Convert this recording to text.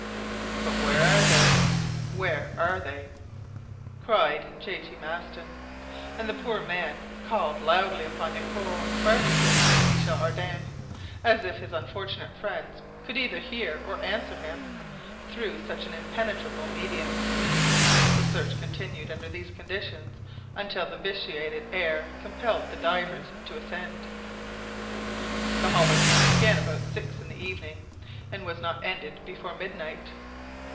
"But where are they? where are they?" cried J. T. Maston. And the poor man called loudly upon Nicholl, Barbicane, and Michel Ardan, as if his unfortunate friends could either hear or answer him through such an impenetrable medium! The search continued under these conditions until the vitiated air compelled the divers to ascend. The hauling in began about six in the evening, and was not ended before midnight.